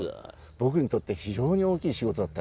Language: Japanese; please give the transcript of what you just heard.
僕にとって非常に大きい仕事だったんですね。